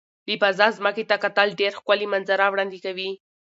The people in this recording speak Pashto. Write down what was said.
له فضا ځمکې ته کتل ډېر ښکلي منظره وړاندې کوي.